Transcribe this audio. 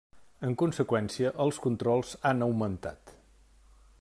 En conseqüència, els controls han augmentat.